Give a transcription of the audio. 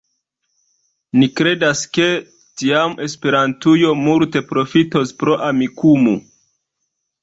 Ni kredas, ke tiam Esperantujo multe profitos pro Amikumu.